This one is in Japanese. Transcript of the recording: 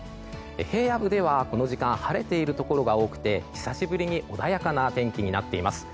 平野部ではこの時間晴れているところが多くて久しぶりに穏やかな天気になっています。